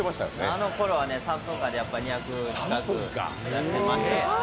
あのころは３分間で２００近くやってましたからね。